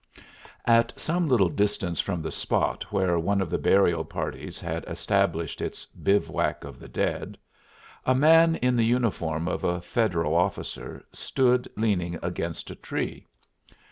At some little distance from the spot where one of the burial parties had established its "bivouac of the dead," a man in the uniform of a Federal officer stood leaning against a tree.